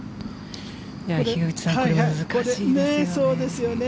樋口さんこれ、難しいですよね。